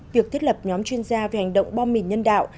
việc thiết lập nhóm chuyên gia về hành động bom mìn nhân đạo